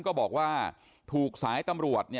ก็บอกว่าถูกสายตำรวจ